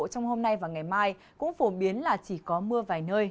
trong hôm nay và ngày mai cũng phổ biến là chỉ có mưa vài nơi